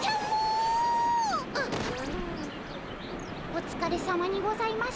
おつかれさまにございました。